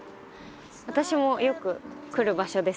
私もよく来る場所ですけど。